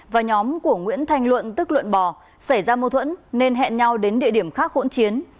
và nhóm của nguyễn thanh luận tức luộn bò xảy ra mâu thuẫn nên hẹn nhau đến địa điểm khác hỗn chiến